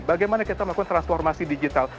bagaimana kita melakukan transformasi digital